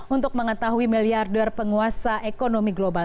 untuk mengetahui miliarder penguasa ekonomi global